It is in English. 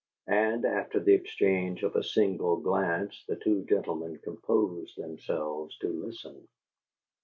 And after the exchange of a single glance the two gentlemen composed themselves to listen.